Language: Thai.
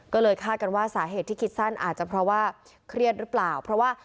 ก็เลยคาดกันว่าสาเหตุที่คิดสั้นอาจจะเผาว่าเครียดรึเปล่า